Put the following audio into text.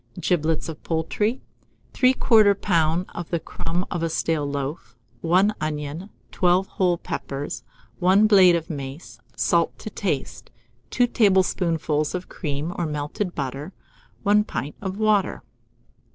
Giblets of poultry, 3/4 lb. of the crumb of a stale loaf, 1 onion, 12 whole peppers, 1 blade of mace, salt to taste, 2 tablespoonfuls of cream or melted butter, 1 pint of water.